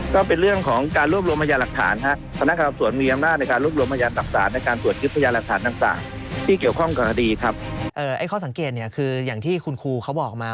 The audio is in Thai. ก็เป็นเรื่องของการรวบรวมมัญญาณหลักฐานครับ